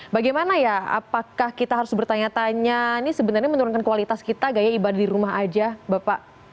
bagaimana ya apakah kita harus bertanya tanya ini sebenarnya menurunkan kualitas kita gaya ibadah di rumah aja bapak